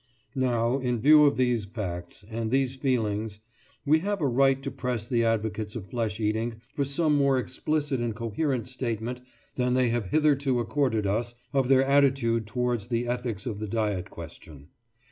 Now, in view of these facts and these feelings, we have a right to press the advocates of flesh eating for some more explicit and coherent statement than they have hitherto accorded us of their attitude towards the ethics of the diet question.